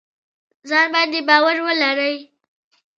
ځان باندې باور ولرئ